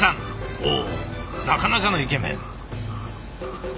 おおなかなかのイケメン！